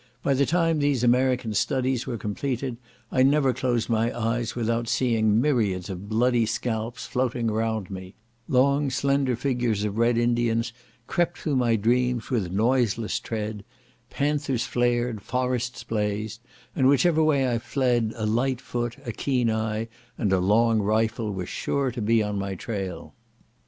By the time these American studies were completed, I never closed my eyes without seeing myriads of bloody scalps floating round me; long slender figures of Red Indians crept through my dreams with noiseless tread; panthers flared; forests blazed; and which ever way I fled, a light foot, a keen eye, and a long rifle were sure to be on my trail.